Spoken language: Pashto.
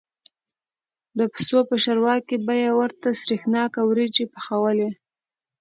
د پسه په شوروا کې به یې ورته سرېښناکه وریجې پخوالې.